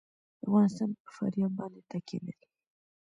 افغانستان په فاریاب باندې تکیه لري.